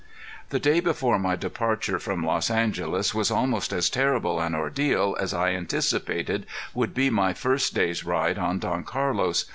The day before my departure from Los Angeles was almost as terrible an ordeal as I anticipated would be my first day's ride on Don Carlos.